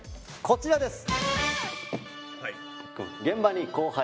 こちらです。